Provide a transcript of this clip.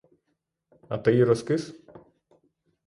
А ти й розкис?